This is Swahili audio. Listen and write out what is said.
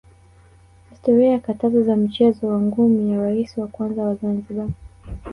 historia ya katazo za mchezo wa ngumi ya raisi wa kwanza wa Zanzibar